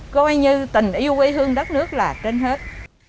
coi như tình yêu quê hương đất nước là trên hết